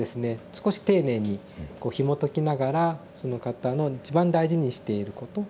少し丁寧にこうひもときながらその方の一番大事にしていること。